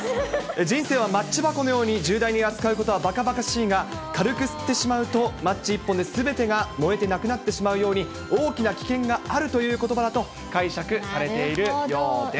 人生はマッチ箱のように重大に扱うことはばかばかしいが、軽くすってしまうとマッチ一本ですべてが燃えてなくなってしまうように、大きな危険があるということばだと解釈されているようです。